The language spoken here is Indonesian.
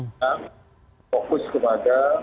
kita fokus kepada